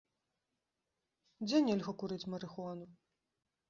Дзе нельга курыць марыхуану?